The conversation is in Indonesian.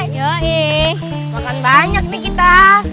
joy makan banyak nih kita